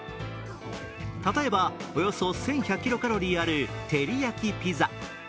例えば、およそ１１００キロカロリーあるてりやきピザ。